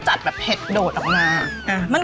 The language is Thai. กะเพราทอดไว้